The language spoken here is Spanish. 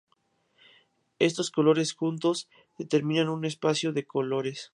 Estos colores juntos determinan un espacio de colores.